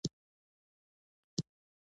د کورنۍ نفقه ګټل د نارینه مسوولیت دی.